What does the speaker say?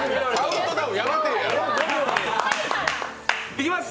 いきます！